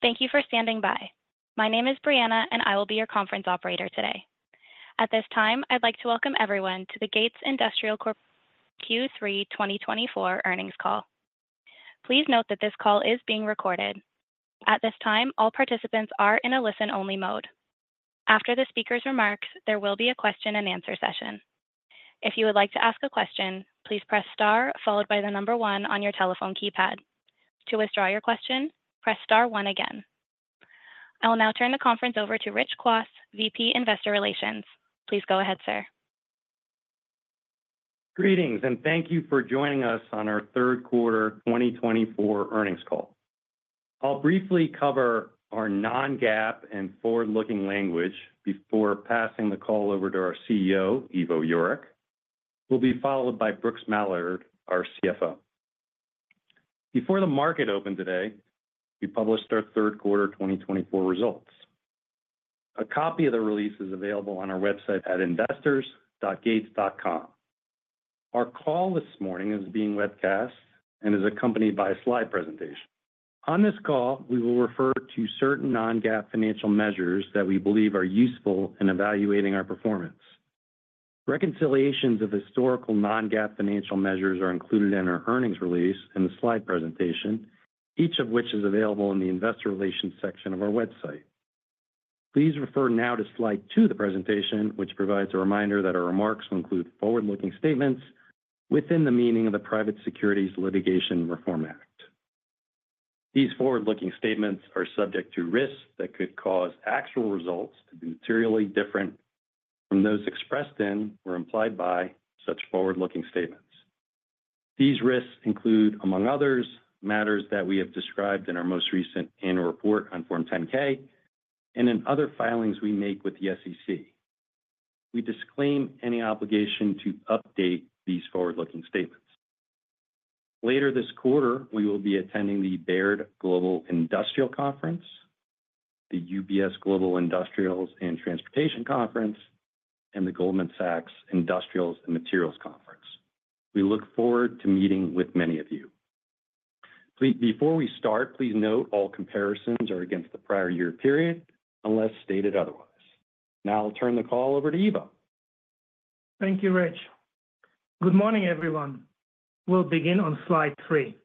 Thank you for standing by. My name is Brianna, and I will be your conference operator today. At this time, I'd like to welcome everyone to the Gates Industrial Corporation Q3 2024 earnings call. Please note that this call is being recorded. At this time, all participants are in a listen-only mode. After the speaker's remarks, there will be a question-and-answer session. If you would like to ask a question, please press star followed by the number one on your telephone keypad. To withdraw your question, press star one again. I will now turn the conference over to Rich Kwas, VP Investor Relations. Please go ahead, sir. Greetings, and thank you for joining us on our Q3 2024 earnings call. I'll briefly cover our non-GAAP and forward-looking language before passing the call over to our CEO, Ivo Jurek. We'll be followed by Brooks Mallard, our CFO. Before the market opened today, we published our third quarter 2024 results. A copy of the release is available on our website at investors.gates.com. Our call this morning is being webcast and is accompanied by a slide presentation. On this call, we will refer to certain non-GAAP financial measures that we believe are useful in evaluating our performance. Reconciliations of historical non-GAAP financial measures are included in our earnings release and the slide presentation, each of which is available in the investor relations section of our website. Please refer now to slide two of the presentation, which provides a reminder that our remarks will include forward-looking statements within the meaning of the Private Securities Litigation Reform Act. These forward-looking statements are subject to risks that could cause actual results to be materially different from those expressed in or implied by such forward-looking statements. These risks include, among others, matters that we have described in our most recent annual report on Form 10-K and in other filings we make with the SEC. We disclaim any obligation to update these forward-looking statements. Later this quarter, we will be attending the Baird Global Industrial Conference, the UBS Global Industrials and Transportation Conference, and the Goldman Sachs Industrials and Materials Conference. We look forward to meeting with many of you. Before we start, please note all comparisons are against the prior year period unless stated otherwise. Now I'll turn the call over to Ivo. Thank you, Rich. Good morning, everyone. We'll begin on slide three.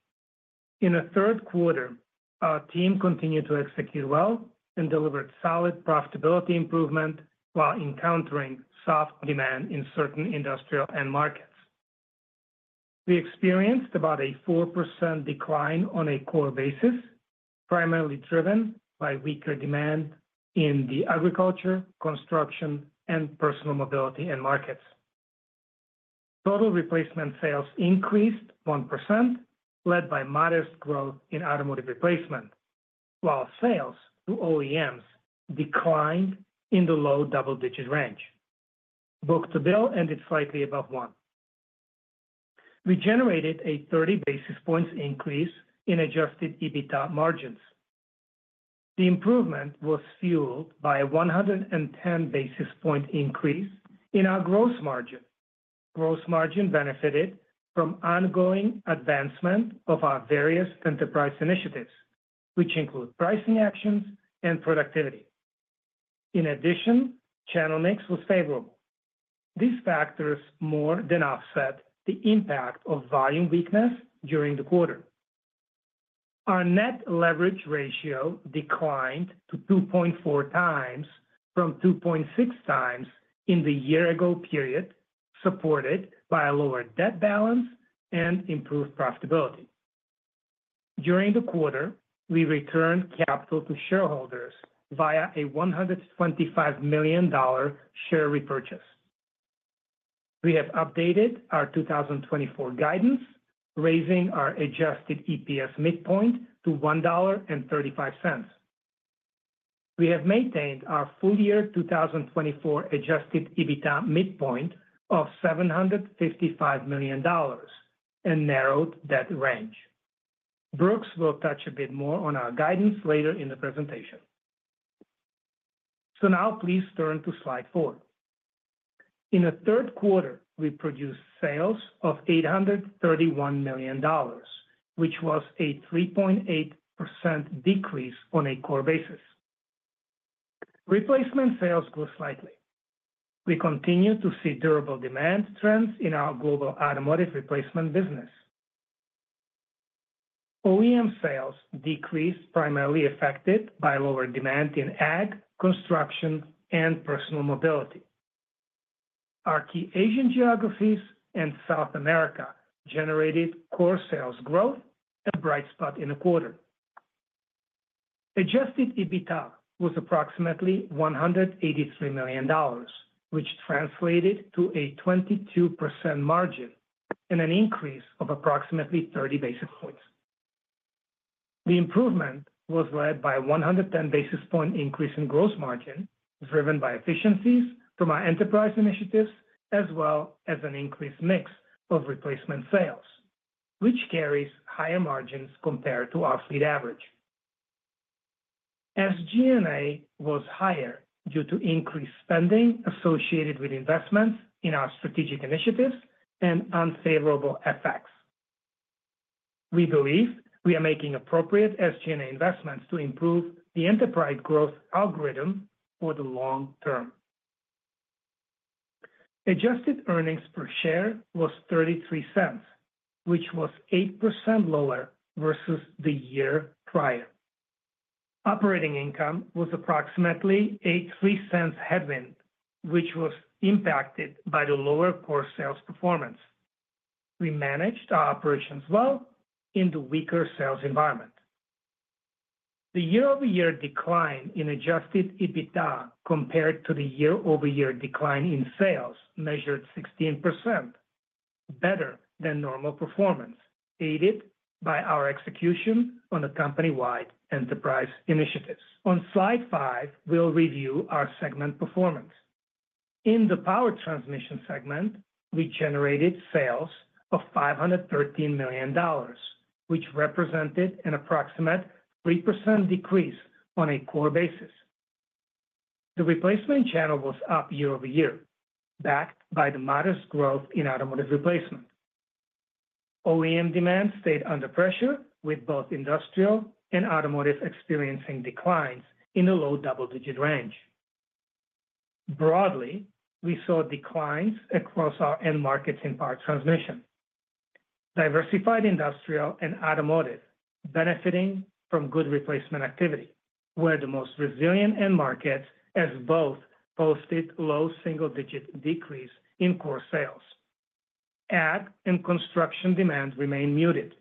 In the third quarter, our team continued to execute well and delivered solid profitability improvement while encountering soft demand in certain industrial end markets. We experienced about a 4% decline on a core basis, primarily driven by weaker demand in the agriculture, construction, and personal mobility end markets. Total replacement sales increased 1%, led by modest growth in automotive replacement, while sales to OEMs declined in the low double-digit range. Book-to-Bill ended slightly above one. We generated a 30 basis points increase in Adjusted EBITDA margins. The improvement was fueled by a 110 basis point increase in our gross margin. Gross margin benefited from ongoing advancement of our various enterprise initiatives, which include pricing actions and productivity. In addition, channel mix was favorable. These factors more than offset the impact of volume weakness during the quarter. Our net leverage ratio declined to 2.4x from 2.6x in the year-ago period, supported by a lower debt balance and improved profitability. During the quarter, we returned capital to shareholders via a $125 million share repurchase. We have updated our 2024 guidance, raising our adjusted EPS midpoint to $1.35. We have maintained our full year 2024 adjusted EBITDA midpoint of $755 million and narrowed that range. Brooks will touch a bit more on our guidance later in the presentation. So now please turn to slide four. In the third quarter, we produced sales of $831 million, which was a 3.8% decrease on a core basis. Replacement sales grew slightly. We continue to see durable demand trends in our global automotive replacement business. OEM sales decreased, primarily affected by lower demand in ag, construction, and personal mobility. Our key Asian geographies and South America generated core sales growth, a bright spot in the quarter. Adjusted EBITDA was approximately $183 million, which translated to a 22% margin and an increase of approximately 30 basis points. The improvement was led by a 110 basis point increase in gross margin, driven by efficiencies from our enterprise initiatives, as well as an increased mix of replacement sales, which carries higher margins compared to our fleet average. SG&A was higher due to increased spending associated with investments in our strategic initiatives and unfavorable effects. We believe we are making appropriate SG&A investments to improve the enterprise growth algorithm for the long term. Adjusted earnings per share was $0.33, which was 8% lower versus the year prior. Operating income was approximately a $0.03 headwind, which was impacted by the lower core sales performance. We managed our operations well in the weaker sales environment. The year-over-year decline in Adjusted EBITDA compared to the year-over-year decline in sales measured 16%, better than normal performance, aided by our execution on the company-wide enterprise initiatives. On slide five, we'll review our segment performance. In the power transmission segment, we generated sales of $513 million, which represented an approximate 3% decrease on a core basis. The replacement channel was up year-over-year, backed by the modest growth in automotive replacement. OEM demand stayed under pressure, with both industrial and automotive experiencing declines in the low double-digit range. Broadly, we saw declines across our end markets in power transmission. Diversified industrial and automotive benefiting from good replacement activity were the most resilient end markets, as both posted low single-digit decreases in core sales. Ag and construction demand remained muted.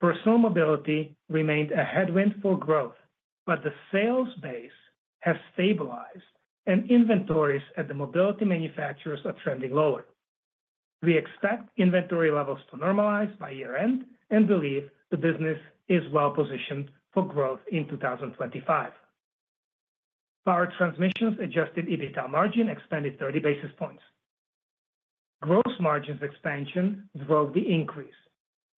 Personal mobility remained a headwind for growth, but the sales base has stabilized, and inventories at the mobility manufacturers are trending lower. We expect inventory levels to normalize by year-end and believe the business is well-positioned for growth in 2025. Power transmission's adjusted EBITDA margin expanded 30 basis points. Gross margins expansion drove the increase,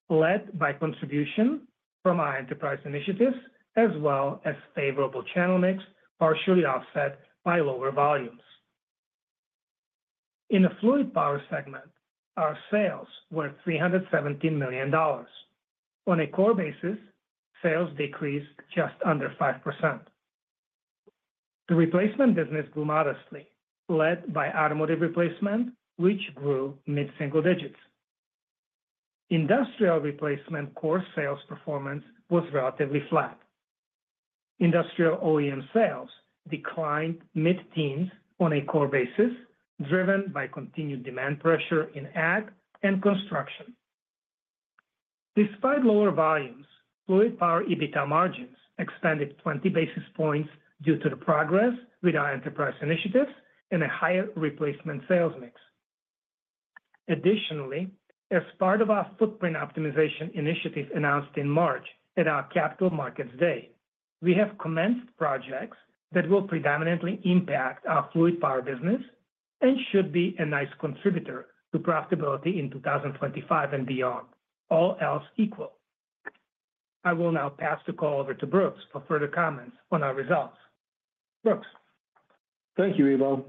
led by contribution from our enterprise initiatives, as well as favorable channel mix, partially offset by lower volumes. In the fluid power segment, our sales were $317 million. On a core basis, sales decreased just under 5%. The replacement business grew modestly, led by automotive replacement, which grew mid-single digits. Industrial replacement core sales performance was relatively flat. Industrial OEM sales declined mid-teens on a core basis, driven by continued demand pressure in ag and construction. Despite lower volumes, fluid power EBITDA margins expanded 20 basis points due to the progress with our enterprise initiatives and a higher replacement sales mix. Additionally, as part of our footprint optimization initiative announced in March at our Capital Markets Day, we have commenced projects that will predominantly impact our fluid power business and should be a nice contributor to profitability in 2025 and beyond, all else equal. I will now pass the call over to Brooks for further comments on our results. Brooks. Thank you, Ivo.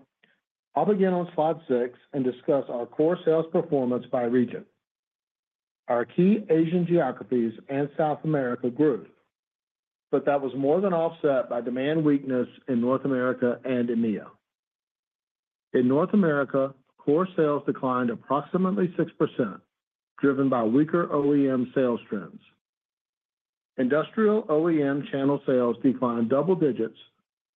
I'll begin on slide six and discuss our core sales performance by region. Our key Asian geographies and South America grew, but that was more than offset by demand weakness in North America and EMEA. In North America, core sales declined approximately 6%, driven by weaker OEM sales trends. Industrial OEM channel sales declined double digits,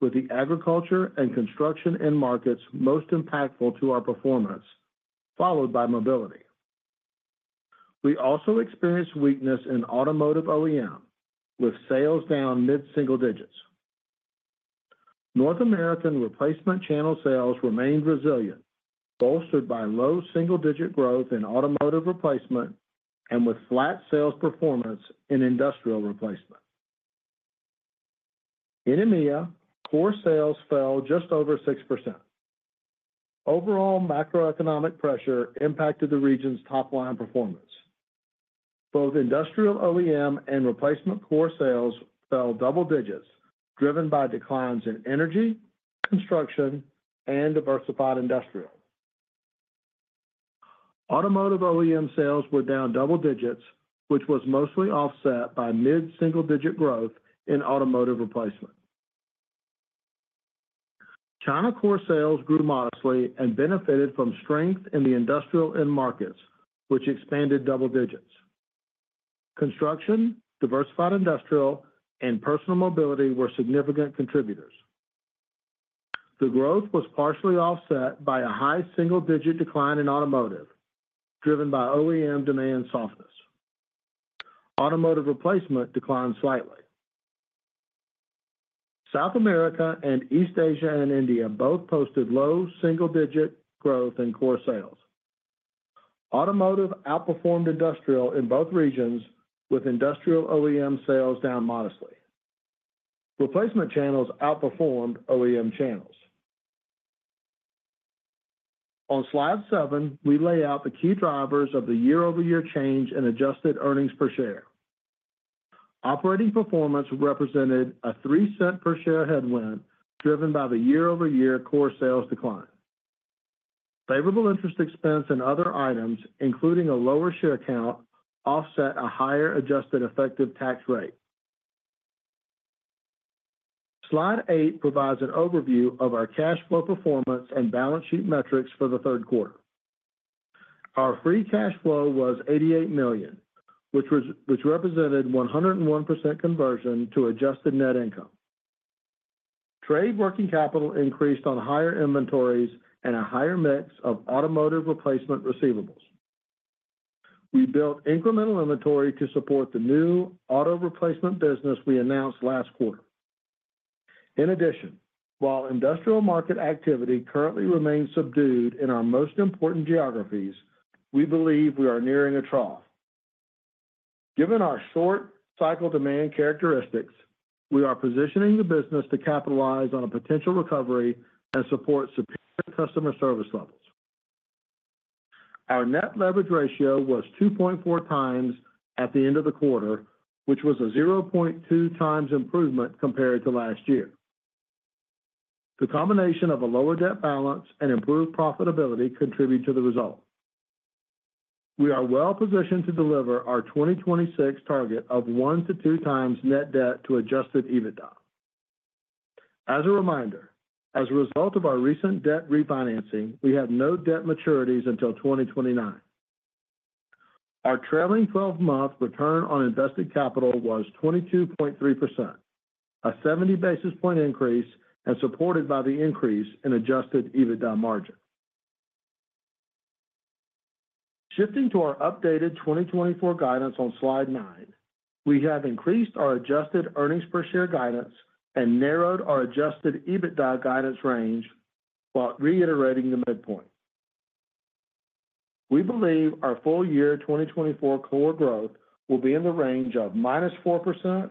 with the agriculture and construction end markets most impactful to our performance, followed by mobility. We also experienced weakness in automotive OEM, with sales down mid-single digits. North American replacement channel sales remained resilient, bolstered by low single-digit growth in automotive replacement and with flat sales performance in industrial replacement. In EMEA, core sales fell just over 6%. Overall macroeconomic pressure impacted the region's top-line performance. Both industrial OEM and replacement core sales fell double digits, driven by declines in energy, construction, and diversified industrial. Automotive OEM sales were down double digits, which was mostly offset by mid-single-digit growth in automotive replacement. China core sales grew modestly and benefited from strength in the industrial end markets, which expanded double digits. Construction, diversified industrial, and personal mobility were significant contributors. The growth was partially offset by a high single-digit decline in automotive, driven by OEM demand softness. Automotive replacement declined slightly. South America and East Asia and India both posted low single-digit growth in core sales. Automotive outperformed industrial in both regions, with industrial OEM sales down modestly. Replacement channels outperformed OEM channels. On slide seven, we lay out the key drivers of the year-over-year change in adjusted earnings per share. Operating performance represented a $0.03 per share headwind, driven by the year-over-year core sales decline. Favorable interest expense and other items, including a lower share count, offset a higher adjusted effective tax rate. Slide eight provides an overview of our cash flow performance and balance sheet metrics for the third quarter. Our free cash flow was $88 million, which represented 101% conversion to adjusted net income. Trade working capital increased on higher inventories and a higher mix of automotive replacement receivables. We built incremental inventory to support the new auto replacement business we announced last quarter. In addition, while industrial market activity currently remains subdued in our most important geographies, we believe we are nearing a trough. Given our short cycle demand characteristics, we are positioning the business to capitalize on a potential recovery and support superior customer service levels. Our net leverage ratio was 2.4x at the end of the quarter, which was a 0.2x improvement compared to last year. The combination of a lower debt balance and improved profitability contributed to the result. We are well-positioned to deliver our 2026 target of 1 to 2x net debt to Adjusted EBITDA. As a reminder, as a result of our recent debt refinancing, we have no debt maturities until 2029. Our trailing 12-month return on invested capital was 22.3%, a 70 basis points increase, and supported by the increase in Adjusted EBITDA margin. Shifting to our updated 2024 guidance on slide nine, we have increased our Adjusted earnings per share guidance and narrowed our Adjusted EBITDA guidance range while reiterating the midpoint. We believe our full year 2024 core growth will be in the range of -4%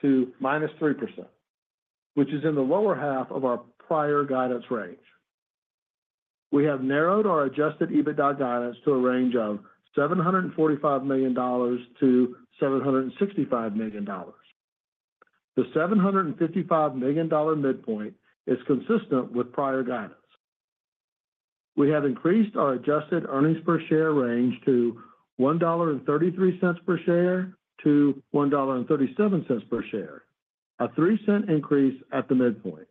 to -3%, which is in the lower half of our prior guidance range. We have narrowed our Adjusted EBITDA guidance to a range of $745 million-$765 million. The $755 million midpoint is consistent with prior guidance. We have increased our adjusted earnings per share range to $1.33 per share to $1.37 per share, a $0.03 increase at the midpoint.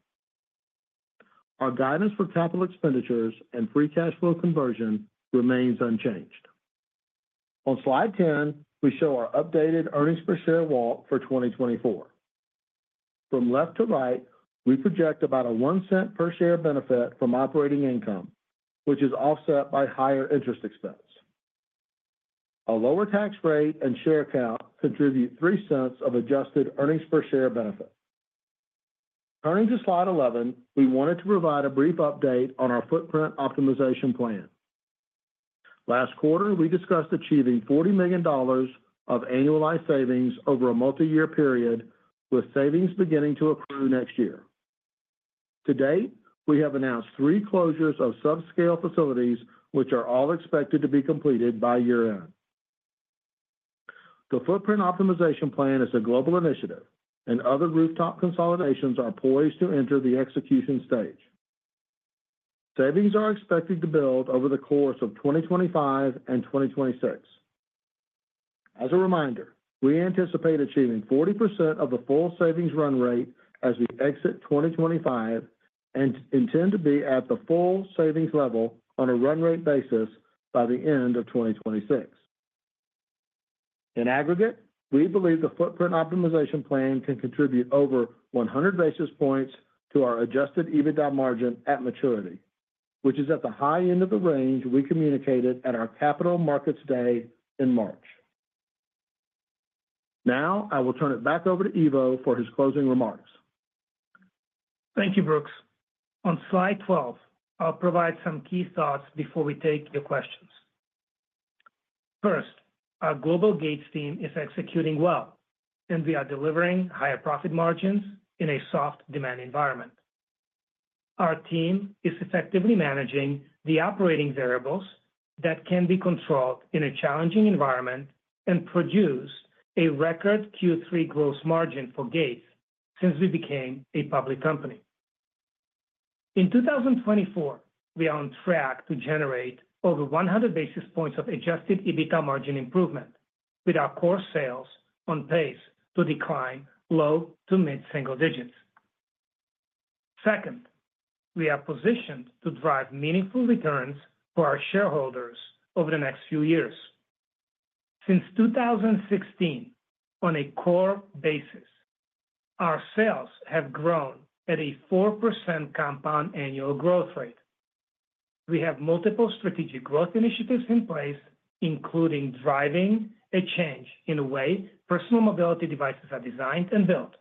Our guidance for capital expenditures and free cash flow conversion remains unchanged. On slide 10, we show our updated earnings per share walk for 2024. From left to right, we project about a $0.01 per share benefit from operating income, which is offset by higher interest expense. A lower tax rate and share count contribute $0.03 of adjusted earnings per share benefit. Turning to slide 11, we wanted to provide a brief update on our footprint optimization plan. Last quarter, we discussed achieving $40 million of annualized savings over a multi-year period, with savings beginning to accrue next year. To date, we have announced three closures of subscale facilities, which are all expected to be completed by year-end. The Footprint Optimization plan is a global initiative, and other rooftop consolidations are poised to enter the execution stage. Savings are expected to build over the course of 2025 and 2026. As a reminder, we anticipate achieving 40% of the full savings run rate as we exit 2025 and intend to be at the full savings level on a run rate basis by the end of 2026. In aggregate, we believe the Footprint Optimization plan can contribute over 100 basis points to our Adjusted EBITDA margin at maturity, which is at the high end of the range we communicated at our Capital Markets Day in March. Now, I will turn it back over to Ivo for his closing remarks. Thank you, Brooks. On slide 12, I'll provide some key thoughts before we take your questions. First, our Global Gates team is executing well, and we are delivering higher profit margins in a soft demand environment. Our team is effectively managing the operating variables that can be controlled in a challenging environment and produce a record Q3 gross margin for Gates since we became a public company. In 2024, we are on track to generate over 100 basis points of Adjusted EBITDA margin improvement, with our core sales on pace to decline low to mid-single digits. Second, we are positioned to drive meaningful returns for our shareholders over the next few years. Since 2016, on a core basis, our sales have grown at a 4% compound annual growth rate. We have multiple strategic growth initiatives in place, including driving a change in the way personal mobility devices are designed and built,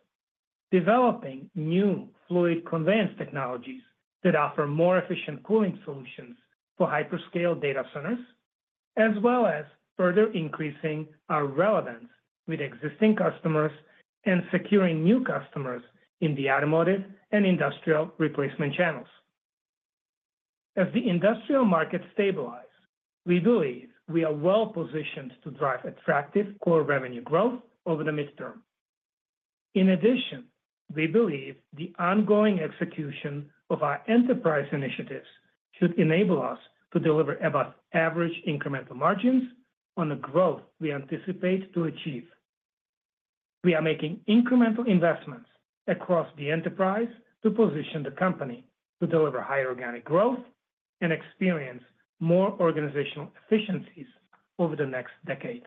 developing new fluid conveyance technologies that offer more efficient cooling solutions for hyperscale data centers, as well as further increasing our relevance with existing customers and securing new customers in the automotive and industrial replacement channels. As the industrial market stabilizes, we believe we are well-positioned to drive attractive core revenue growth over the midterm. In addition, we believe the ongoing execution of our enterprise initiatives should enable us to deliver above-average incremental margins on the growth we anticipate to achieve. We are making incremental investments across the enterprise to position the company to deliver higher organic growth and experience more organizational efficiencies over the next decade.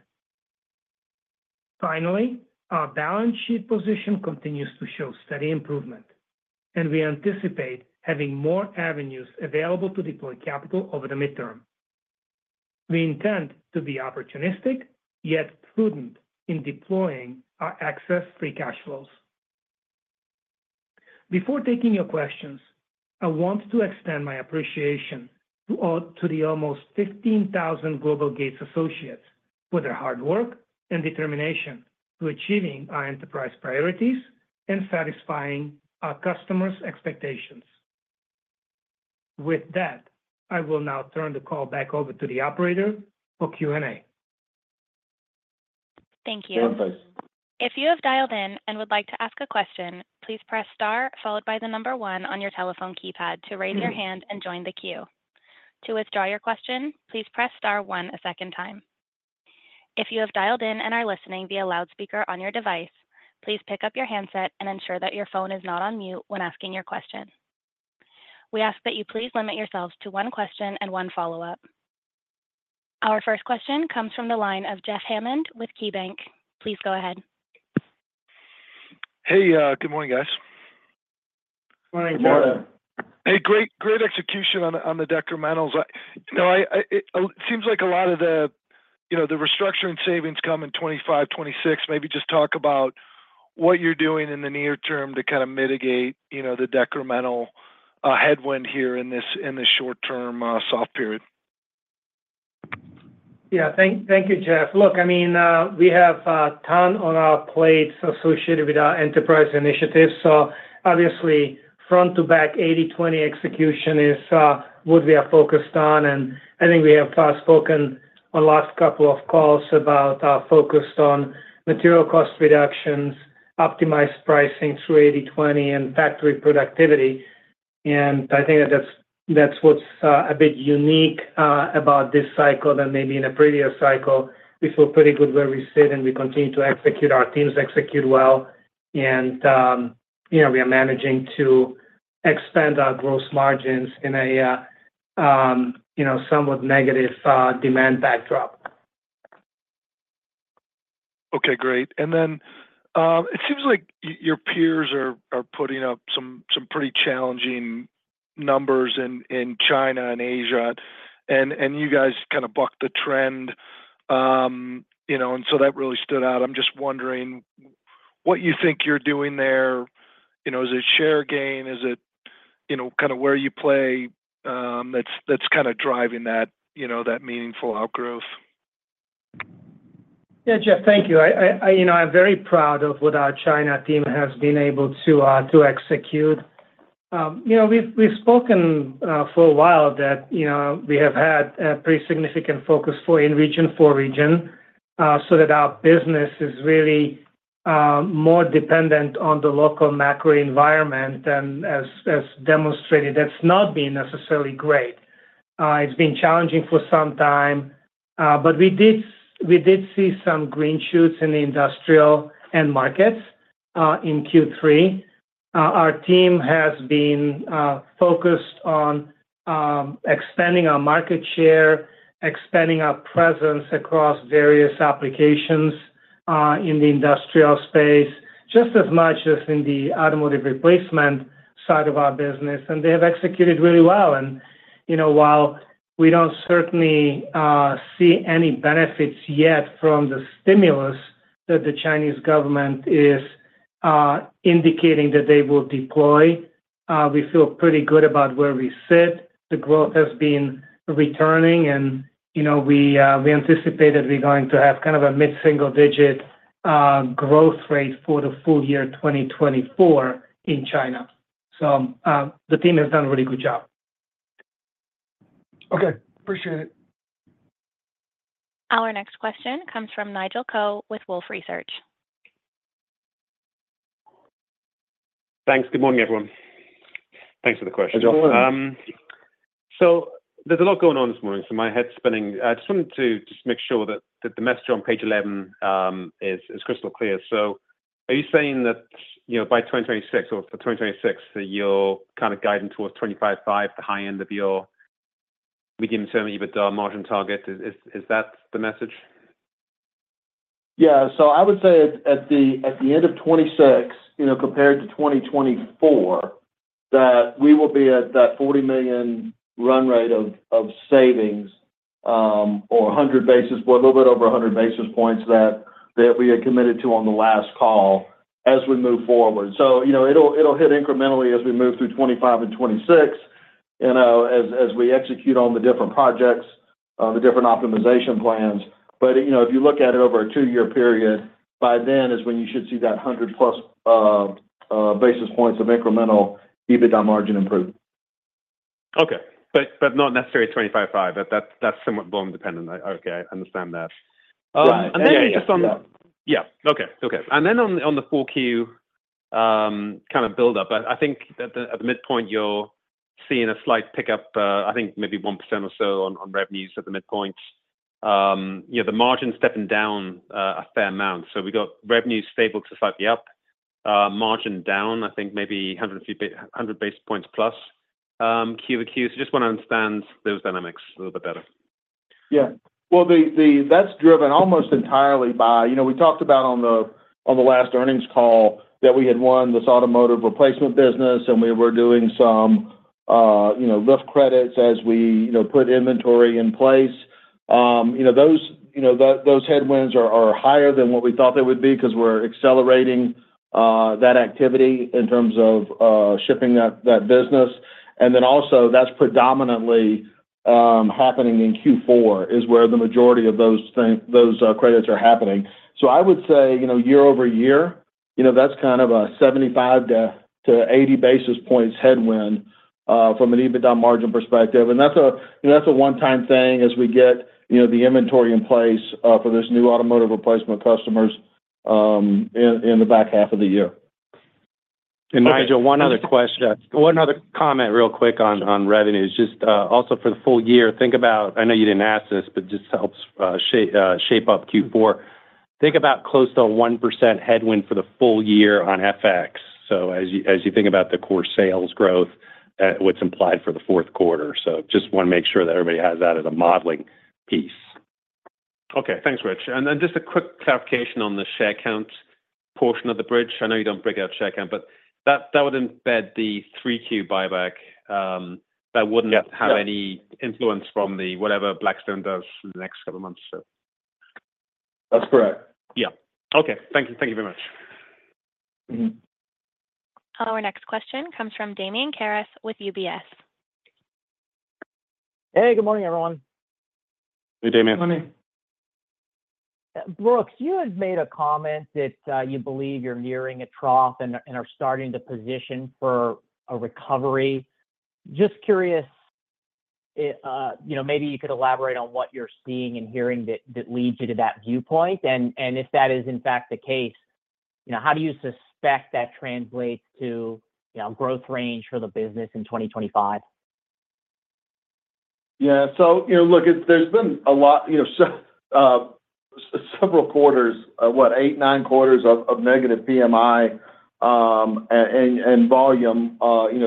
Finally, our balance sheet position continues to show steady improvement, and we anticipate having more avenues available to deploy capital over the midterm. We intend to be opportunistic, yet prudent, in deploying our excess free cash flows. Before taking your questions, I want to extend my appreciation to the almost 15,000 Global Gates associates for their hard work and determination to achieving our enterprise priorities and satisfying our customers' expectations. With that, I will now turn the call back over to the operator for Q&A. Thank you. Thanks. If you have dialed in and would like to ask a question, please press star followed by the number one on your telephone keypad to raise your hand and join the queue. To withdraw your question, please press star one a second time. If you have dialed in and are listening via loudspeaker on your device, please pick up your handset and ensure that your phone is not on mute when asking your question. We ask that you please limit yourselves to one question and one follow-up. Our first question comes from the line of Jeff Hammond with KeyBanc. Please go ahead. Hey, good morning, guys. Morning. Morning. Hey, great execution on the decrementals. It seems like a lot of the restructuring savings come in 2025, 2026. Maybe just talk about what you're doing in the near term to kind of mitigate the decremental headwind here in this short-term soft period. Yeah, thank you, Jeff. Look, I mean, we have a ton on our plates associated with our enterprise initiatives. So obviously, front-to-back 80/20 execution is what we are focused on. And I think we have spoken on the last couple of calls about focus on material cost reductions, optimized pricing through 80/20, and factory productivity. And I think that that's what's a bit unique about this cycle than maybe in a previous cycle. We feel pretty good where we sit, and we continue to execute. Our teams execute well. And we are managing to expand our gross margins in a somewhat negative demand backdrop. Okay, great. And then it seems like your peers are putting up some pretty challenging numbers in China and Asia. And you guys kind of bucked the trend. And so that really stood out. I'm just wondering what you think you're doing there. Is it share gain? Is it kind of where you play that's kind of driving that meaningful outgrowth? Yeah, Jeff, thank you. I'm very proud of what our China team has been able to execute. We've spoken for a while that we have had a pretty significant focus for in-region, for region, so that our business is really more dependent on the local macro environment, and as demonstrated, that's not been necessarily great. It's been challenging for some time, but we did see some green shoots in the industrial and markets in Q3. Our team has been focused on expanding our market share, expanding our presence across various applications in the industrial space, just as much as in the automotive replacement side of our business, and they have executed really well, and while we don't certainly see any benefits yet from the stimulus that the Chinese government is indicating that they will deploy, we feel pretty good about where we sit. The growth has been returning. We anticipate that we're going to have kind of a mid-single digit growth rate for the full year 2024 in China. The team has done a really good job. Okay, appreciate it. Our next question comes from Nigel Coe with Wolfe Research. Thanks. Good morning, everyone. Thanks for the question. So there's a lot going on this morning, so my head's spinning. I just wanted to just make sure that the message on page 11 is crystal clear. So are you saying that by 2026 or for 2026, you're kind of guiding towards 25/5, the high end of your medium-term EBITDA margin target? Is that the message? Yeah. So I would say at the end of 2026, compared to 2024, that we will be at that $40 million run rate of savings or 100 basis points, a little bit over 100 basis points that we had committed to on the last call as we move forward. So it'll hit incrementally as we move through 2025 and 2026, as we execute on the different projects, the different optimization plans. But if you look at it over a two-year period, by then is when you should see that 100-plus basis points of incremental EBITDA margin improvement. Okay. But not necessarily 25/5. That's somewhat volume dependent. Okay, I understand that. Right, and then just on. Yeah. Okay. Okay. And then on the Q4 kind of buildup, I think at the midpoint, you're seeing a slight pickup, I think maybe 1% or so on revenues at the midpoint. The margin's stepping down a fair amount. So we've got revenues stable to slightly up, margin down, I think maybe 100 basis points plus Q to Q. So just want to understand those dynamics a little bit better. Yeah. Well, that's driven almost entirely by we talked about on the last earnings call that we had won this automotive replacement business, and we were doing some lift credits as we put inventory in place. Those headwinds are higher than what we thought they would be because we're accelerating that activity in terms of shipping that business. And then also, that's predominantly happening in Q4, is where the majority of those credits are happening. So I would say year-over-year, that's kind of a 75-80 basis points headwind from an EBITDA margin perspective. And that's a one-time thing as we get the inventory in place for those new automotive replacement customers in the back half of the year. Nigel, one other question. One other comment real quick on revenues. Just also for the full year, think about. I know you didn't ask this, but this helps shape up Q4 think about close to a 1% headwind for the full year on FX. So as you think about the core sales growth, what's implied for the fourth quarter. So just want to make sure that everybody has that as a modeling piece. Okay. Thanks, Rich. And then just a quick clarification on the share count portion of the bridge. I know you don't break out share count, but that would embed the 3Q buyback. That wouldn't have any influence from the whatever Blackstone does in the next couple of months, so. That's correct. Yeah. Okay. Thank you. Thank you very much. Our next question comes from Damian Karas with UBS. Hey, good morning, everyone. Hey, Damien. Morning. Brooks, you had made a comment that you believe you're nearing a trough and are starting to position for a recovery. Just curious, maybe you could elaborate on what you're seeing and hearing that leads you to that viewpoint? And if that is, in fact, the case, how do you suspect that translates to growth range for the business in 2025? Yeah, so look, there's been a lot, several quarters, what, eight, nine quarters of negative PMI and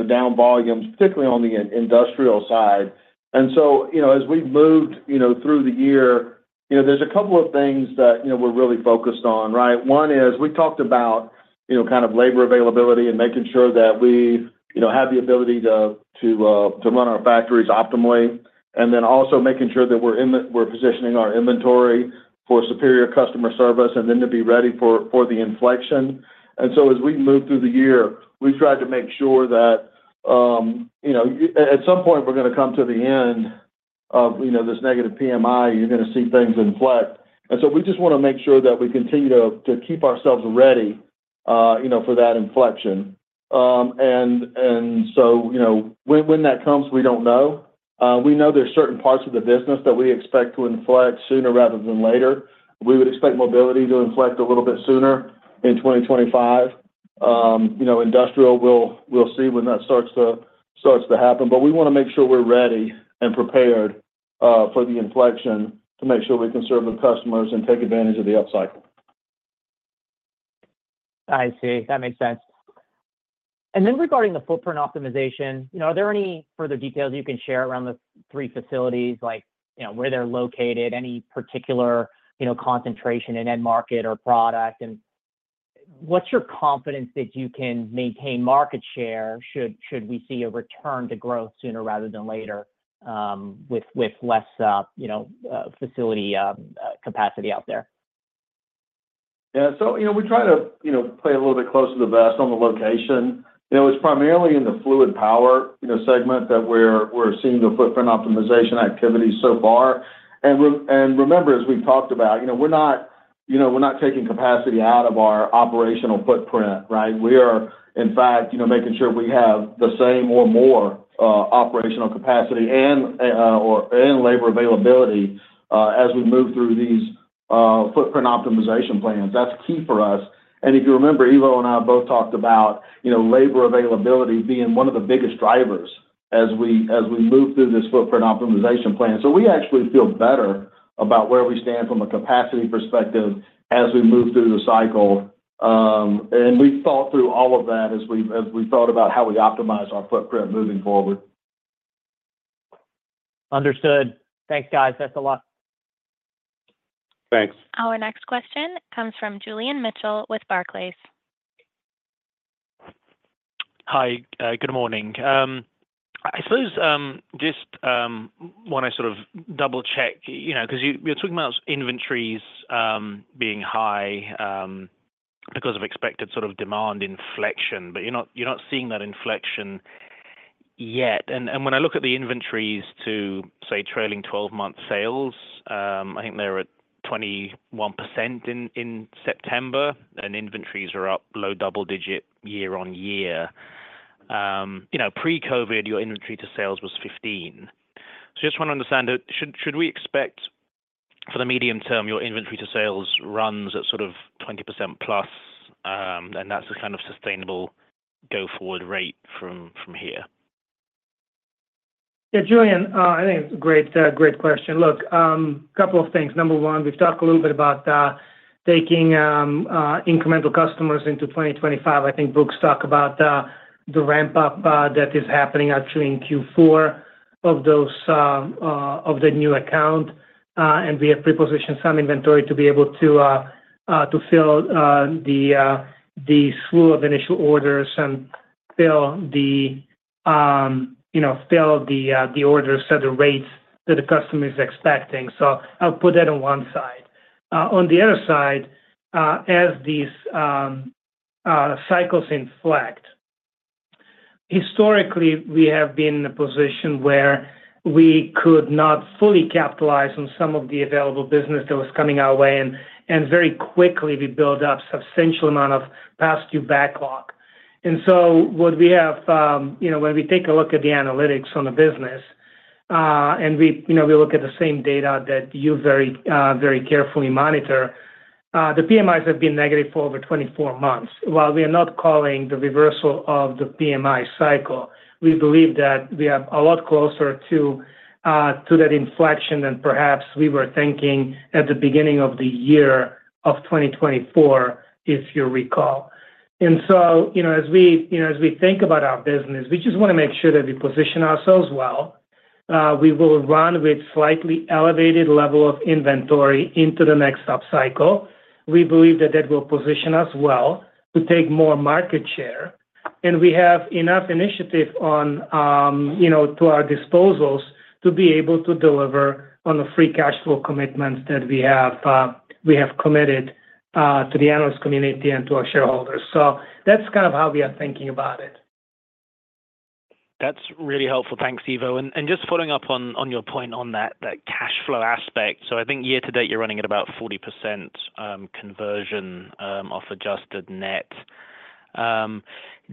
down volumes, particularly on the industrial side. And so as we've moved through the year, there's a couple of things that we're really focused on, right? One is we talked about kind of labor availability and making sure that we have the ability to run our factories optimally, and then also making sure that we're positioning our inventory for superior customer service and then to be ready for the inflection. And so as we move through the year, we've tried to make sure that at some point, we're going to come to the end of this negative PMI, you're going to see things inflect. And so we just want to make sure that we continue to keep ourselves ready for that inflection, and so when that comes, we don't know. We know there's certain parts of the business that we expect to inflect sooner rather than later. We would expect mobility to inflect a little bit sooner in 2025. Industrial, we'll see when that starts to happen. But we want to make sure we're ready and prepared for the inflection to make sure we can serve the customers and take advantage of the upcycle. I see. That makes sense. And then regarding the footprint optimization, are there any further details you can share around the three facilities, like where they're located, any particular concentration in end market or product? And what's your confidence that you can maintain market share should we see a return to growth sooner rather than later with less facility capacity out there? Yeah. So we try to play a little bit close to the vest on the location. It's primarily in the fluid power segment that we're seeing the footprint optimization activity so far. And remember, as we've talked about, we're not taking capacity out of our operational footprint, right? We are, in fact, making sure we have the same or more operational capacity and labor availability as we move through these footprint optimization plans. That's key for us. And if you remember, Ivo and I both talked about labor availability being one of the biggest drivers as we move through this footprint optimization plan. So we actually feel better about where we stand from a capacity perspective as we move through the cycle. And we thought through all of that as we thought about how we optimize our footprint moving forward. Understood. Thanks, guys. That's a lot. Thanks. Our next question comes from Julian Mitchell with Barclays. Hi. Good morning. I suppose just want to sort of double-check because you're talking about inventories being high because of expected sort of demand inflection, but you're not seeing that inflection yet, and when I look at the inventories to, say, trailing 12-month sales, I think they're at 21% in September, and inventories are up low double-digit year on year. Pre-COVID, your inventory to sales was 15%, so just want to understand, should we expect for the medium term, your inventory to sales runs at sort of 20%+, and that's the kind of sustainable go-forward rate from here? Yeah, Julian, I think it's a great question. Look, a couple of things. Number one, we've talked a little bit about taking incremental customers into 2025. I think Brooks talked about the ramp-up that is happening actually in Q4 of the new account, and we have pre-positioned some inventory to be able to fill the slew of initial orders and fill the orders at the rates that the customer is expecting. So I'll put that on one side. On the other side, as these cycles inflect, historically, we have been in a position where we could not fully capitalize on some of the available business that was coming our way, and very quickly, we built up a substantial amount of past due backlog. And so what we have when we take a look at the analytics on the business, and we look at the same data that you very carefully monitor, the PMIs have been negative for over 24 months. While we are not calling the reversal of the PMI cycle, we believe that we are a lot closer to that inflection than perhaps we were thinking at the beginning of the year of 2024, if you recall. And so as we think about our business, we just want to make sure that we position ourselves well. We will run with a slightly elevated level of inventory into the next upcycle. We believe that that will position us well to take more market share. We have enough initiatives at our disposal to be able to deliver on the Free Cash Flow commitments that we have committed to the analyst community and to our shareholders. So that's kind of how we are thinking about it. That's really helpful. Thanks, Ivo. Just following up on your point on that cash flow aspect, so I think year to date, you're running at about 40% conversion of adjusted net. In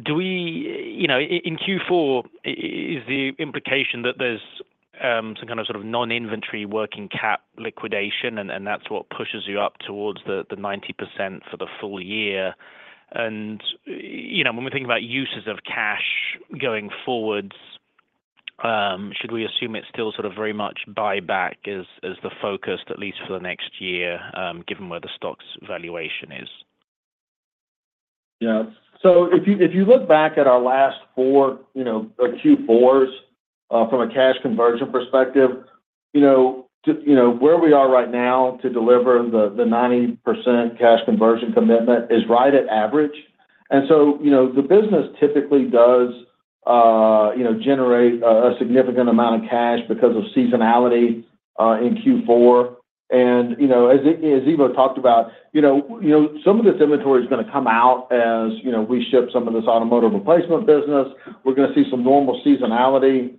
Q4, is the implication that there's some kind of sort of non-inventory working cap liquidation, and that's what pushes you up towards the 90% for the full year? When we're thinking about uses of cash going forward, should we assume it's still sort of very much buyback as the focus, at least for the next year, given where the stock's valuation is? Yeah. So if you look back at our last four Q4s from a cash conversion perspective, where we are right now to deliver the 90% cash conversion commitment is right at average. And so the business typically does generate a significant amount of cash because of seasonality in Q4. And as Ivo talked about, some of this inventory is going to come out as we ship some of this automotive replacement business. We're going to see some normal seasonality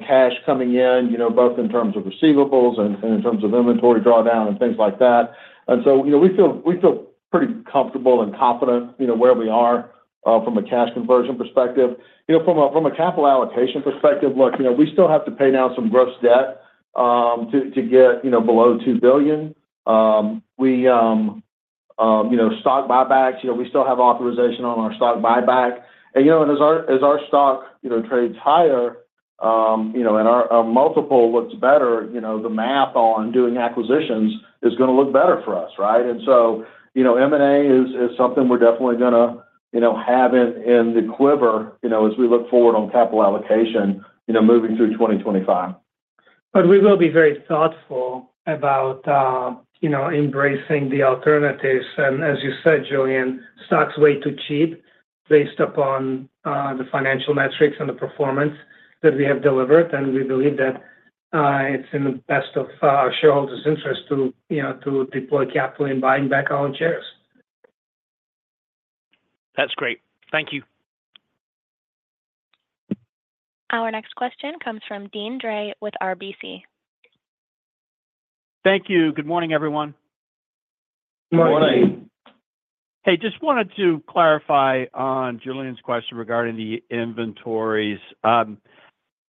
cash coming in, both in terms of receivables and in terms of inventory drawdown and things like that. And so we feel pretty comfortable and confident where we are from a cash conversion perspective. From a capital allocation perspective, look, we still have to pay down some gross debt to get below $2 billion. We have stock buybacks. We still have authorization on our stock buyback. And as our stock trades higher and our multiple looks better, the math on doing acquisitions is going to look better for us, right? And so M&A is something we're definitely going to have in the quiver as we look forward on capital allocation moving through 2025. But we will be very thoughtful about embracing the alternatives. And as you said, Julian, stock's way too cheap based upon the financial metrics and the performance that we have delivered. And we believe that it's in the best of our shareholders' interest to deploy capital in buying back our own shares. That's great. Thank you. Our next question comes from Deane Dray with RBC. Thank you. Good morning, everyone. Good morning. Hey, just wanted to clarify on Julian's question regarding the inventories.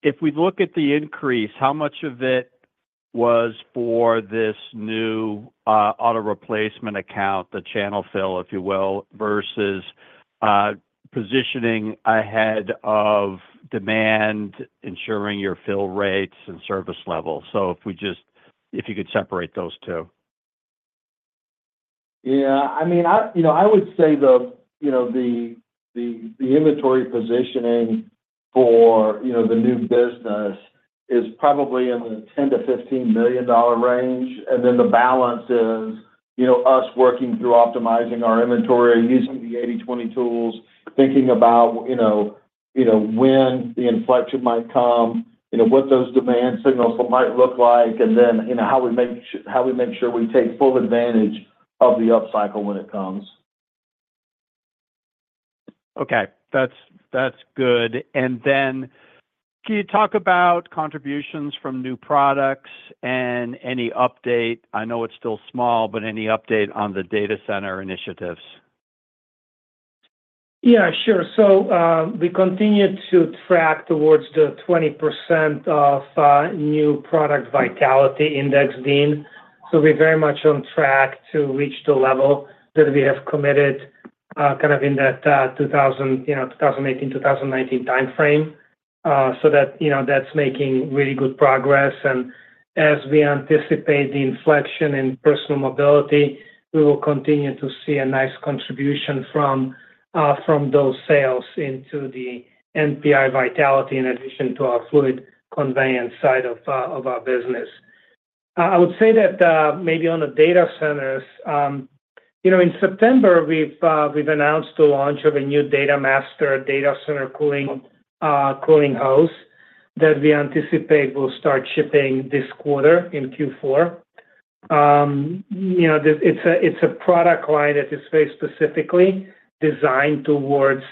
If we look at the increase, how much of it was for this new auto replacement account, the channel fill, if you will, versus positioning ahead of demand, ensuring your fill rates and service level? So if you could separate those two. Yeah. I mean, I would say the inventory positioning for the new business is probably in the $10 million-$15 million range. And then the balance is us working through optimizing our inventory, using the 80/20 tools, thinking about when the inflection might come, what those demand signals might look like, and then how we make sure we take full advantage of the upcycle when it comes. Okay. That's good. And then can you talk about contributions from new products and any update? I know it's still small, but any update on the data center initiatives? Yeah, sure. So we continue to track towards the 20% of new product vitality index, Deane. So we're very much on track to reach the level that we have committed kind of in that 2018, 2019 timeframe. So that's making really good progress. And as we anticipate the inflection in personal mobility, we will continue to see a nice contribution from those sales into the NPI vitality in addition to our fluid conveyance side of our business. I would say that maybe on the data centers, in September, we've announced the launch of a new Data Master data center cooling hose that we anticipate will start shipping this quarter in Q4. It's a product line that is very specifically designed towards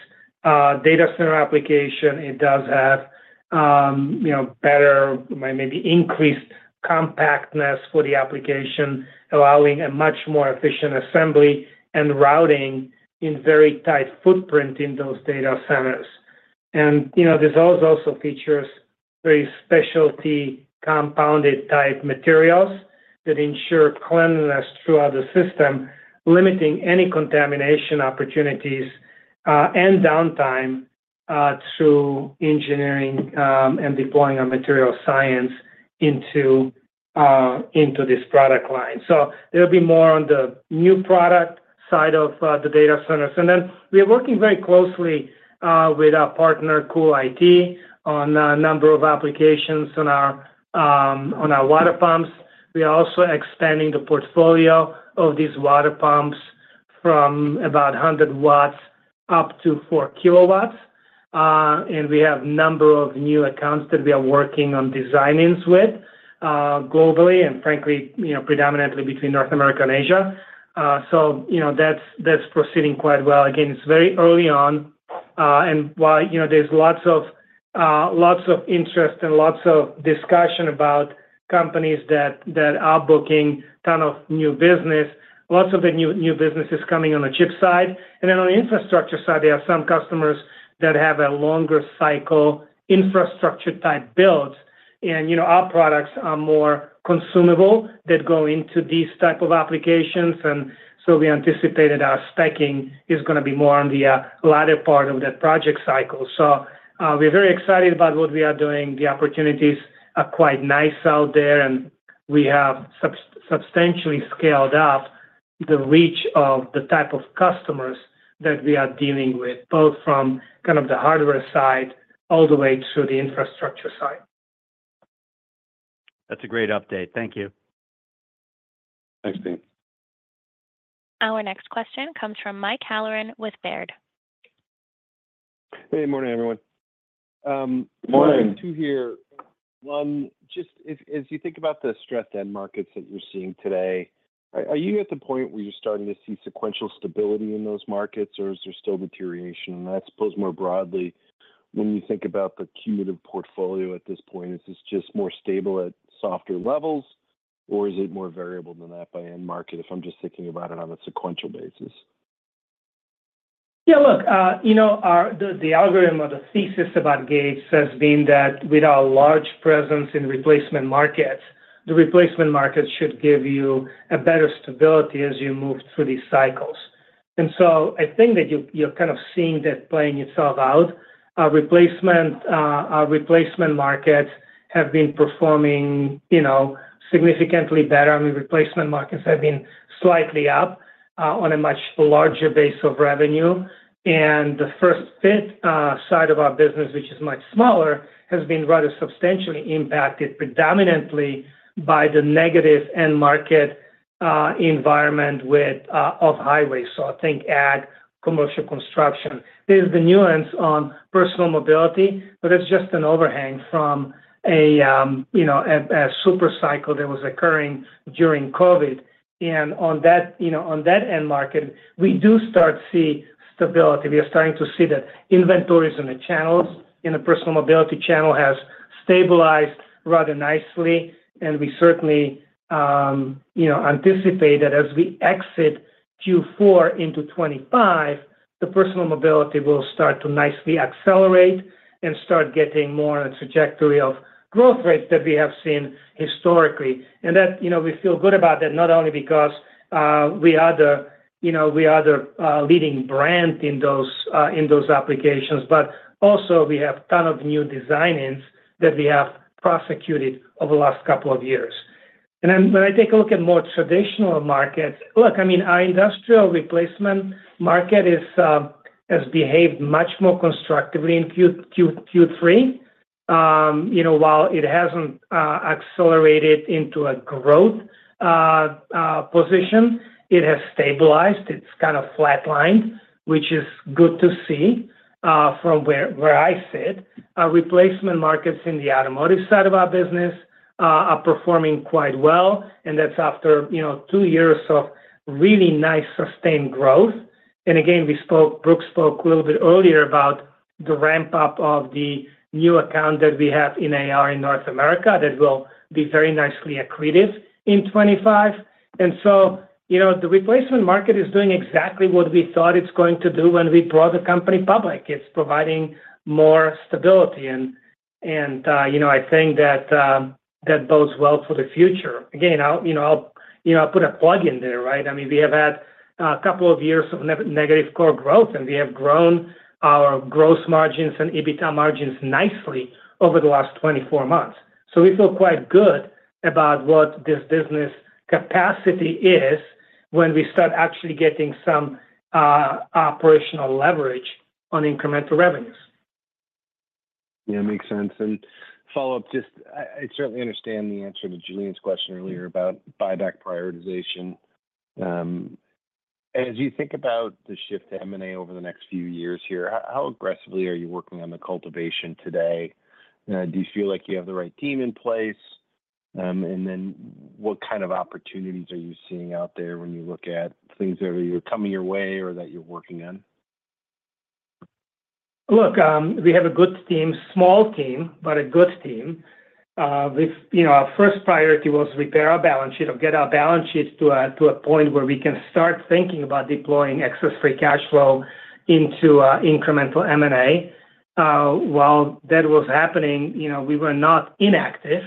data center application. It does have better, maybe increased compactness for the application, allowing a much more efficient assembly and routing in very tight footprint in those data centers. And this hose also features very specialty compounded type materials that ensure cleanliness throughout the system, limiting any contamination opportunities and downtime through engineering and deploying our material science into this product line. So there'll be more on the new product side of the data centers. And then we are working very closely with our partner, CoolIT, on a number of applications on our water pumps. We are also expanding the portfolio of these water pumps from about 100 Watts up to four kilowatts. And we have a number of new accounts that we are working on designing with globally and, frankly, predominantly between North America and Asia. So that's proceeding quite well. Again, it's very early on. And while there's lots of interest and lots of discussion about companies that are booking a ton of new business, lots of the new business is coming on the chip side. And then on the infrastructure side, there are some customers that have a longer cycle infrastructure type builds. And our products are more consumable that go into these type of applications. And so we anticipate that our stacking is going to be more on the latter part of that project cycle. So we're very excited about what we are doing. The opportunities are quite nice out there. And we have substantially scaled up the reach of the type of customers that we are dealing with, both from kind of the hardware side all the way through the infrastructure side. That's a great update. Thank you. Thanks, Dean. Our next question comes from Mike Halloran with Baird. Hey, morning, everyone. Morning. I have two here. One, just as you think about the stressed-end markets that you're seeing today, are you at the point where you're starting to see sequential stability in those markets, or is there still deterioration? And I suppose more broadly, when you think about the cumulative portfolio at this point, is this just more stable at softer levels, or is it more variable than that by end market if I'm just thinking about it on a sequential basis? Yeah, look, the algorithm or the thesis about Gates has been that with our large presence in replacement markets, the replacement markets should give you a better stability as you move through these cycles. And so I think that you're kind of seeing that playing itself out. Our replacement markets have been performing significantly better. I mean, replacement markets have been slightly up on a much larger base of revenue. And the first-fit side of our business, which is much smaller, has been rather substantially impacted predominantly by the negative end market environment with off-highway, so I think and commercial construction. There's the nuance on personal mobility, but that's just an overhang from a super cycle that was occurring during COVID. And on that end market, we do start to see stability. We are starting to see that inventories in the channels, in the personal mobility channel, have stabilized rather nicely, and we certainly anticipate that as we exit Q4 into 2025, the personal mobility will start to nicely accelerate and start getting more on a trajectory of growth rates that we have seen historically, and we feel good about that, not only because we are the leading brand in those applications, but also we have a ton of new design wins that we have pursued over the last couple of years, and then when I take a look at more traditional markets, look, I mean, our industrial replacement market has behaved much more constructively in Q3. While it hasn't accelerated into a growth position, it has stabilized. It's kind of flatlined, which is good to see from where I sit. Our replacement markets in the automotive side of our business are performing quite well. And that's after two years of really nice sustained growth. And again, Brooks spoke a little bit earlier about the ramp-up of the new account that we have in AR in North America that will be very nicely accretive in 2025. And so the replacement market is doing exactly what we thought it's going to do when we brought the company public. It's providing more stability. And I think that bodes well for the future. Again, I'll put a plug in there, right? I mean, we have had a couple of years of negative core growth, and we have grown our gross margins and EBITDA margins nicely over the last 24 months. So we feel quite good about what this business capacity is when we start actually getting some operational leverage on incremental revenues. Yeah, makes sense. And follow-up, just I certainly understand the answer to Julian's question earlier about buyback prioritization. As you think about the shift to M&A over the next few years here, how aggressively are you working on the acquisitions today? Do you feel like you have the right team in place? And then what kind of opportunities are you seeing out there when you look at things that are either coming your way or that you're working on? Look, we have a good team, small team, but a good team. Our first priority was to repair our balance sheet or get our balance sheets to a point where we can start thinking about deploying excess free cash flow into incremental M&A. While that was happening, we were not inactive.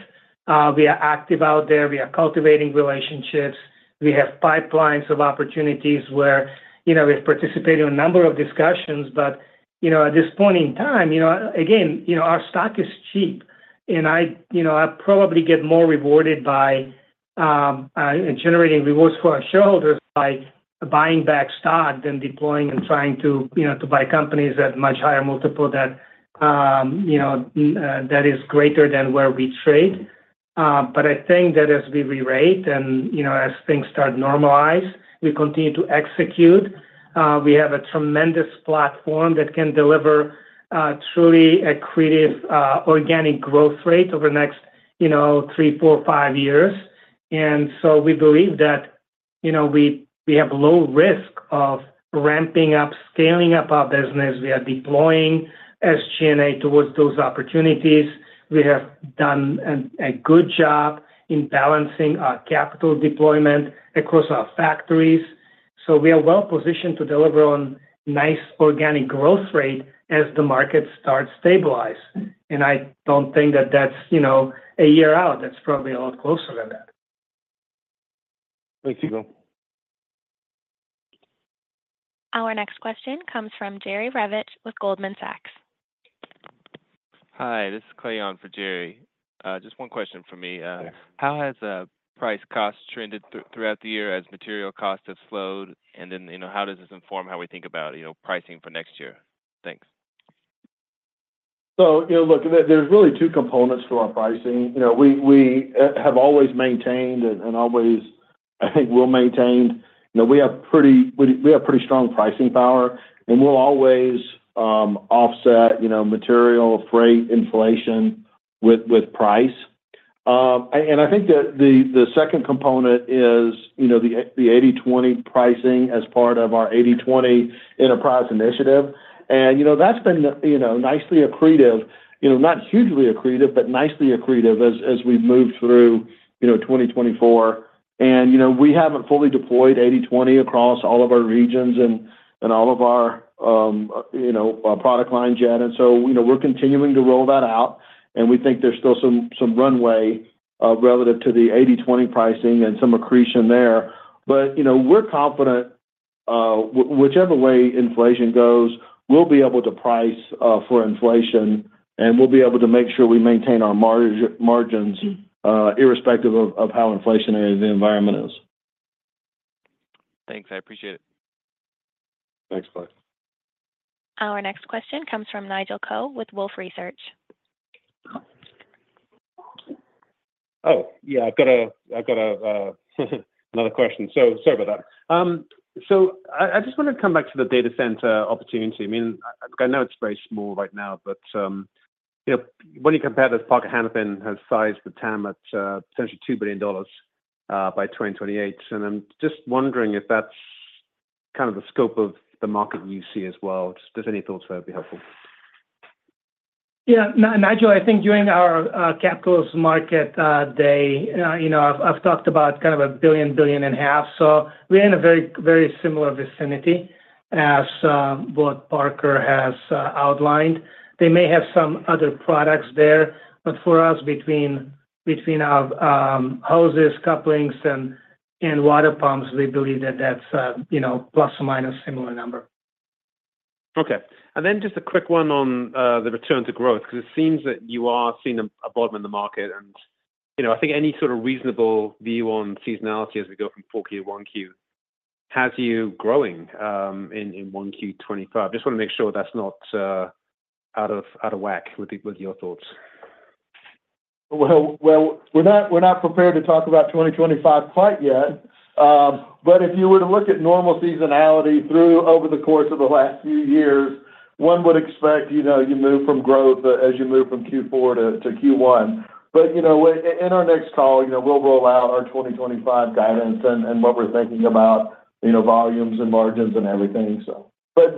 We are active out there. We are cultivating relationships. We have pipelines of opportunities where we've participated in a number of discussions. But at this point in time, again, our stock is cheap. And I probably get more rewarded by generating rewards for our shareholders by buying back stock than deploying and trying to buy companies at much higher multiple that is greater than where we trade. But I think that as we re-rate and as things start to normalize, we continue to execute. We have a tremendous platform that can deliver truly accretive organic growth rate over the next three, four, five years. And so we believe that we have low risk of ramping up, scaling up our business. We are deploying SG&A towards those opportunities. We have done a good job in balancing our capital deployment across our factories. So we are well-positioned to deliver on nice organic growth rate as the market starts to stabilize. And I don't think that that's a year out. That's probably a lot closer than that. Thanks, Hugo. Our next question comes from Jerry Revich with Goldman Sachs. Hi, this is Kyle for Jerry. Just one question for me. How has price cost trended throughout the year as material costs have slowed? And then how does this inform how we think about pricing for next year? Thanks. So look, there's really two components to our pricing. We have always maintained and always, I think, we'll maintain. We have pretty strong pricing power. And we'll always offset material, freight, inflation with price. And I think that the second component is the 80/20 pricing as part of our 80/20 enterprise initiative. And that's been nicely accretive, not hugely accretive, but nicely accretive as we've moved through 2024. And we haven't fully deployed 80/20 across all of our regions and all of our product line yet. And so we're continuing to roll that out. And we think there's still some runway relative to the 80/20 pricing and some accretion there. But we're confident whichever way inflation goes, we'll be able to price for inflation. And we'll be able to make sure we maintain our margins irrespective of how inflationary the environment is. Thanks. I appreciate it. Thanks, Kyle. Our next question comes from Nigel Coe with Wolfe Research. Oh, yeah, I've got another question. So sorry about that. So I just wanted to come back to the data center opportunity. I mean, I know it's very small right now, but when you compare this, Parker Hannifin has sized the TAM at potentially $2 billion by 2028. And I'm just wondering if that's kind of the scope of the market you see as well. Just any thoughts that would be helpful? Yeah. Nigel, I think during our Capital Markets Day, I've talked about kind of $1 billion-$1.5 billion. So we're in a very, very similar vicinity as what Parker has outlined. They may have some other products there. But for us, between our hoses, couplings, and water pumps, we believe that that's plus or minus a similar number. Okay, and then just a quick one on the return to growth because it seems that you are seeing a bottom in the market, and I think any sort of reasonable view on seasonality as we go from 4Q to 1Q has you growing in 1Q 2025. Just want to make sure that's not out of whack with your thoughts? Well, we're not prepared to talk about 2025 quite yet. But if you were to look at normal seasonality through over the course of the last few years, one would expect you move from growth as you move from Q4 to Q1. But in our next call, we'll roll out our 2025 guidance and what we're thinking about volumes and margins and everything, so. But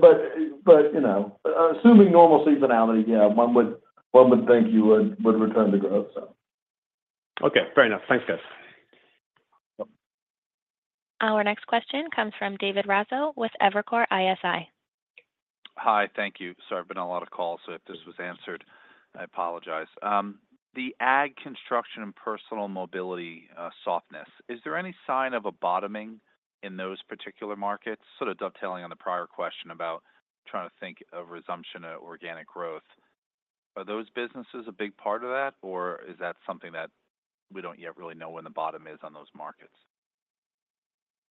assuming normal seasonality, yeah, one would think you would return to growth, so. Okay. Fair enough. Thanks, guys. Our next question comes from David Raso with Evercore ISI. Hi, thank you. Sorry, I've been on a lot of calls, so if this was answered, I apologize. The ag, construction, and personal mobility softness, is there any sign of a bottoming in those particular markets? Sort of dovetailing on the prior question about trying to think of resumption of organic growth. Are those businesses a big part of that, or is that something that we don't yet really know when the bottom is on those markets?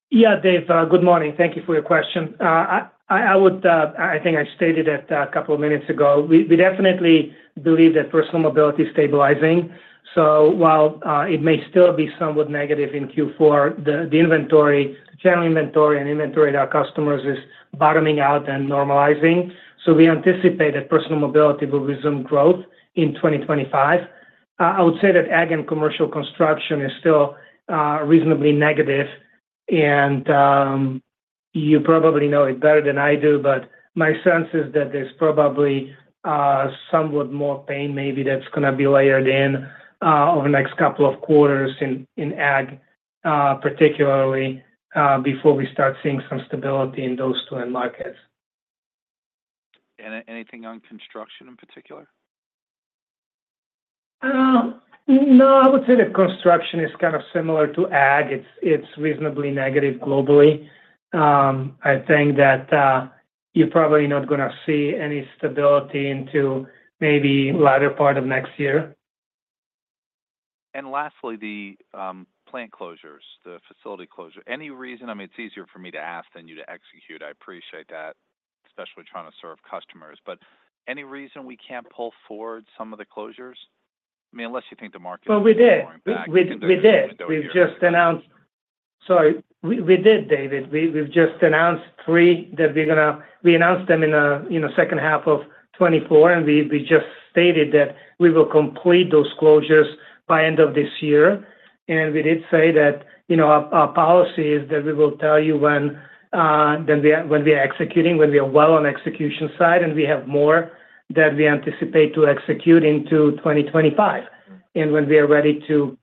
Yeah, Dave, good morning. Thank you for your question. I think I stated it a couple of minutes ago. We definitely believe that personal mobility is stabilizing, so while it may still be somewhat negative in Q4, the channel inventory and inventory at our customers is bottoming out and normalizing, so we anticipate that personal mobility will resume growth in 2025. I would say that ag and commercial construction is still reasonably negative, and you probably know it better than I do, but my sense is that there's probably somewhat more pain maybe that's going to be layered in over the next couple of quarters in ag, particularly before we start seeing some stability in those two end markets. Anything on construction in particular? No, I would say that construction is kind of similar to ag. It's reasonably negative globally. I think that you're probably not going to see any stability into maybe the latter part of next year. Lastly, the plant closures, the facility closure. Any reason? I mean, it's easier for me to ask than you to execute. I appreciate that, especially trying to serve customers. But any reason we can't pull forward some of the closures? I mean, unless you think the market is going back. We did. We did. We've just announced, sorry. We did, David. We've just announced three that we announced them in the second half of 2024. We just stated that we will complete those closures by the end of this year. We did say that our policy is that we will tell you when we are executing, when we are well on the execution side, and we have more that we anticipate to execute into 2025. When we are ready to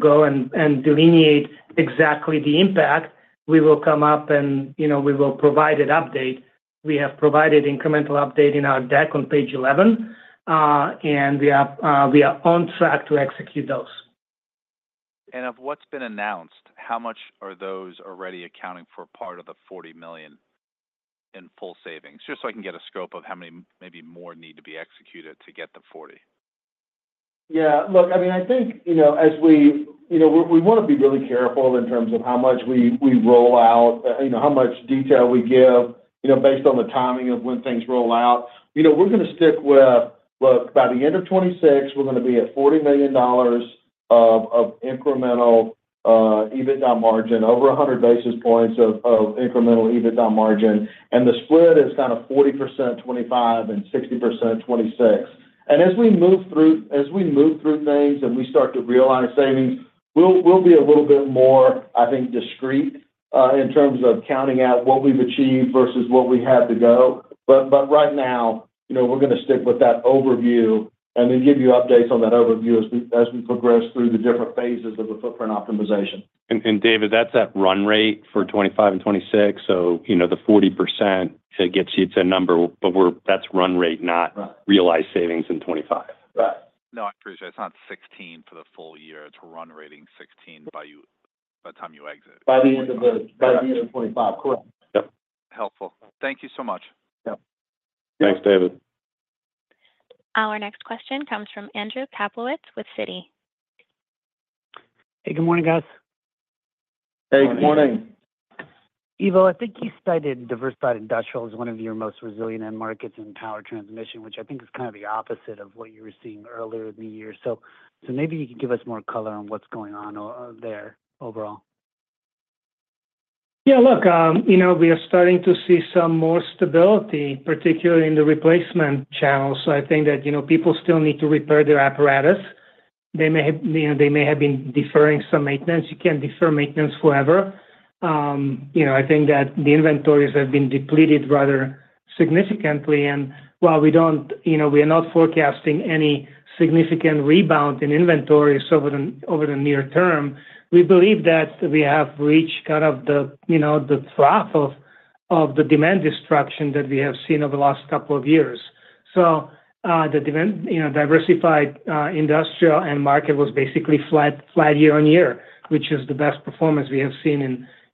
go and delineate exactly the impact, we will come up and we will provide an update. We have provided an incremental update in our deck on page 11. We are on track to execute those. Of what's been announced, how much are those already accounting for part of the $40 million in full savings? Just so I can get a scope of how many maybe more need to be executed to get to $40 million. Yeah. Look, I mean, I think as we want to be really careful in terms of how much we roll out, how much detail we give based on the timing of when things roll out. We're going to stick with, look, by the end of 2026, we're going to be at $40 million of incremental EBITDA margin, over 100 basis points of incremental EBITDA margin. And the split is kind of 40% 2025 and 60% 2026. And as we move through things and we start to realize savings, we'll be a little bit more, I think, discreet in terms of counting out what we've achieved versus what we have to go. But right now, we're going to stick with that overview and then give you updates on that overview as we progress through the different phases of the footprint optimization. And David, that's that run rate for 2025 and 2026. So the 40%, it's a number, but that's run rate, not realized savings in 2025. Right. No, I appreciate it. It's not 16 for the full year. It's run rate 16 by the time you exit. By the end of 2025, correct. Yep. Helpful. Thank you so much. Yep. Thanks, David. Our next question comes from Andrew Kaplowitz with Citi. Hey, good morning, guys. Hey, good morning. Ivo, I think you cited diversified industrial as one of your most resilient end markets in power transmission, which I think is kind of the opposite of what you were seeing earlier in the year. So maybe you can give us more color on what's going on there overall. Yeah, look, we are starting to see some more stability, particularly in the replacement channels. So I think that people still need to repair their apparatus. They may have been deferring some maintenance. You can't defer maintenance forever. I think that the inventories have been depleted rather significantly. And while we don't, we are not forecasting any significant rebound in inventory over the near term, we believe that we have reached kind of the trough of the demand destruction that we have seen over the last couple of years. So the diversified industrial end market was basically flat year on year, which is the best performance we have seen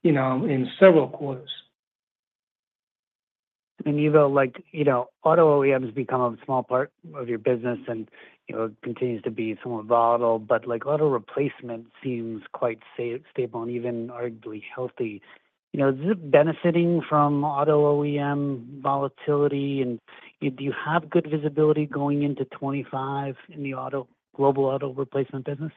in several quarters. Ivo, auto OEMs become a small part of your business and continues to be somewhat volatile. Auto replacement seems quite stable and even arguably healthy. Is it benefiting from auto OEM volatility? Do you have good visibility going into 2025 in the global auto replacement business?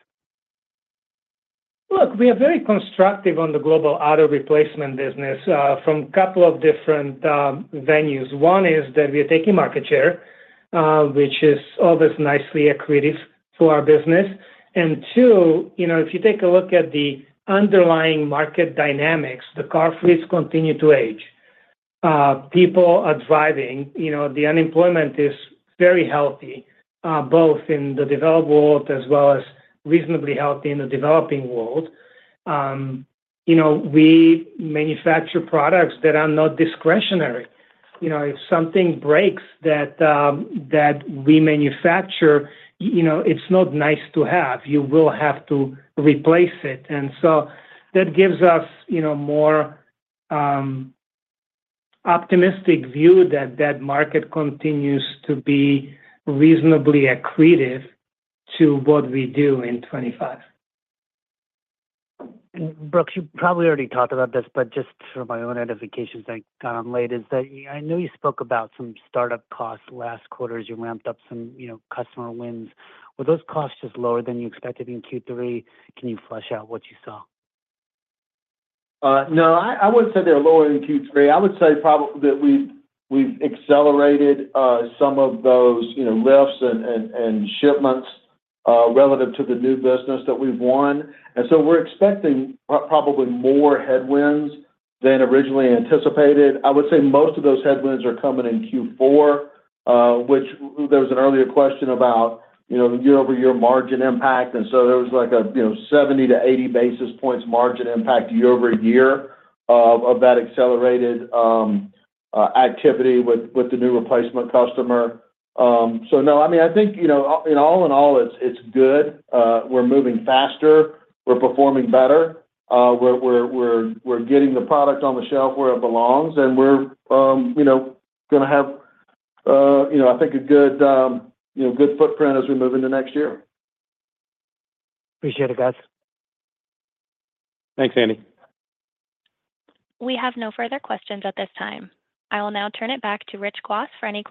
Look, we are very constructive on the global auto replacement business from a couple of different avenues. One is that we are taking market share, which is always nicely accretive for our business. And two, if you take a look at the underlying market dynamics, the car fleets continue to age. People are driving. The unemployment is very healthy, both in the developed world as well as reasonably healthy in the developing world. We manufacture products that are not discretionary. If something breaks that we manufacture, it's not nice to have. You will have to replace it. And so that gives us a more optimistic view that that market continues to be reasonably accretive to what we do in 2025. Brooks, you probably already talked about this, but just for my own identification, I got on late. It's that I know you spoke about some startup costs last quarter. You ramped up some customer wins. Were those costs just lower than you expected in Q3? Can you flesh out what you saw? No, I wouldn't say they're lower in Q3. I would say probably that we've accelerated some of those lifts and shipments relative to the new business that we've won. And so we're expecting probably more headwinds than originally anticipated. I would say most of those headwinds are coming in Q4, which there was an earlier question about year-over-year margin impact. And so there was like a 70-80 basis points margin impact year-over-year of that accelerated activity with the new replacement customer. So no, I mean, I think all in all, it's good. We're moving faster. We're performing better. We're getting the product on the shelf where it belongs. And we're going to have, I think, a good footprint as we move into next year. Appreciate it, guys. Thanks, Andy. We have no further questions at this time. I will now turn it back to Rich Kwas for any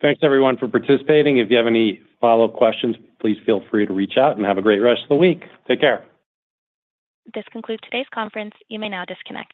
closing remarks. Thanks, everyone, for participating. If you have any follow-up questions, please feel free to reach out and have a great rest of the week. Take care. This concludes today's conference. You may now disconnect.